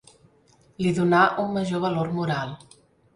Li donà un major valor moral.